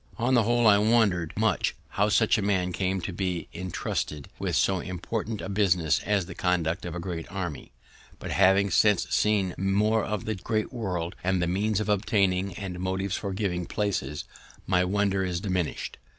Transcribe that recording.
On the whole, I wonder'd much how such a man came to be intrusted with so important a business as the conduct of a great army; but, having since seen more of the great world, and the means of obtaining, and motives for giving places, my wonder is diminished.